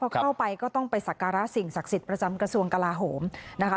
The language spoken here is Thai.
พอเข้าไปก็ต้องไปสักการะสิ่งศักดิ์สิทธิ์ประจำกระทรวงกลาโหมนะคะ